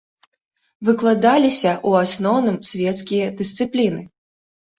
Выкладаліся ў асноўным свецкія дысцыпліны.